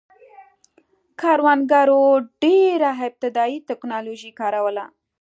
کروندګرو ډېره ابتدايي ټکنالوژي کاروله